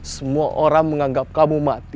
semua orang menganggap kamu mati